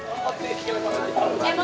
emang disengaja kok wajib